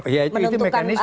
ya itu mekanisme